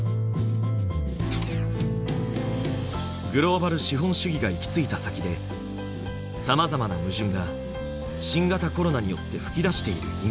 グローバル資本主義が行き着いた先でさまざまな矛盾が新型コロナによって噴き出している今。